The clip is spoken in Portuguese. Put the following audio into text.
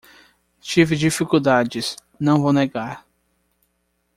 Tive dificuldades, não vou negar